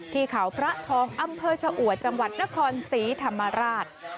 ที่เขาพระทองอำเภอชะอวดจังหวัดนครศรีธรรมราช